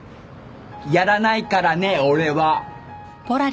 やらないからね俺は！